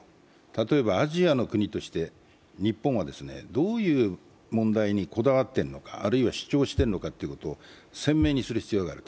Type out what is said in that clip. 例えばアジアの国として日本はどういう問題にこだわっているのか、あるいは主張しているのかということを鮮明にする必要がある。